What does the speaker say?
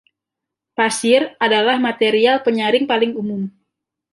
Pasir adalah material penyaring paling umum.